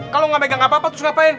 kalau nggak megang apa apa terus ngapain